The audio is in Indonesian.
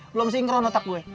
belum sinkron otak gue